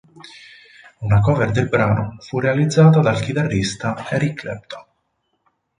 Una cover del brano fu realizzata dal chitarrista Eric Clapton.